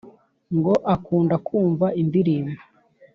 ngo akunda kumva indirimbo